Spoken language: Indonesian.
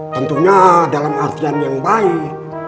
tentunya dalam artian yang baik